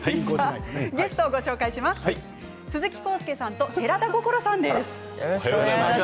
ゲストは鈴木浩介さんと寺田心さんです。